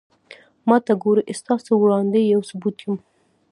ما ته گورې ستاسو وړاندې يو ثبوت يم